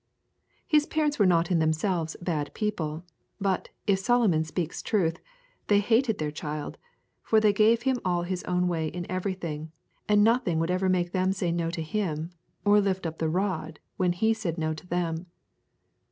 His parents were not in themselves bad people, but, if Solomon speaks true, they hated their child, for they gave him all his own way in everything, and nothing would ever make them say no to him, or lift up the rod when he said no to them.